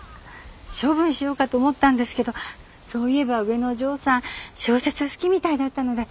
処分しようかと思ったんですけどそういえば上のお嬢さん小説好きみたいだったので。